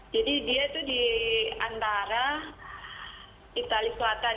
jadi dia itu di antara itali selatan